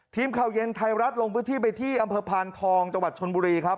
ทีมข่าวเย็นไทยรัฐลงพื้นที่ไปที่อำเภอพานทองจังหวัดชนบุรีครับ